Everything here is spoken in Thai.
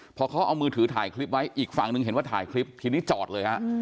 พอเขาเอามือถือถ่ายคลิปไว้อีกฝั่งหนึ่งเห็นว่าถ่ายคลิปทีนี้จอดเลยฮะ